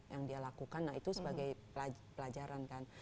yang dia lakukan nah itu sebagai pelajaran kan